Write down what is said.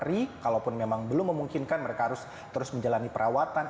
dari kalaupun memang belum memungkinkan mereka harus terus menjalani perawatan